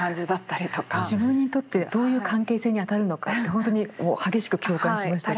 自分にとってどういう関係性にあたるのかって本当に激しく共感しましたけど。